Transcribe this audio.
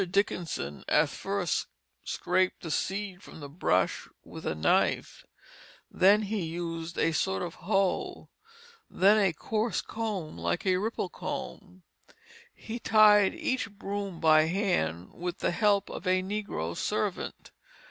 Dickenson at first scraped the seed from the brush with a knife; then he used a sort of hoe; then a coarse comb like a ripple comb. He tied each broom by hand, with the help of a negro servant.